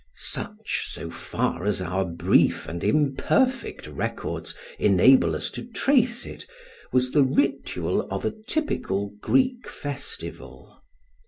Such, so far as our brief and imperfect records enable us to trace it, was the ritual of a typical Greek festival.